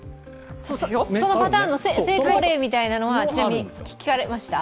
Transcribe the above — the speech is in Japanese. そのパターンの成功例みたいなものは聞かれました？